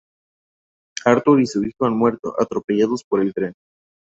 Arthur y su hijo han muerto, atropellados por el tren.